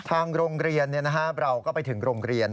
ทางโรงเรียนเราก็ไปถึงโรงเรียน